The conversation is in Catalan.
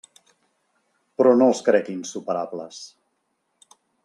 Però no els crec insuperables.